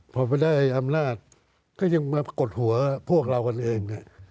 พอไปได้อำนาจก็ยังมากดหัวพวกเรากันเอง